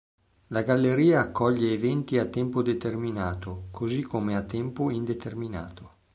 La galleria accoglie eventi a tempo determinato, così come a tempo indeterminato.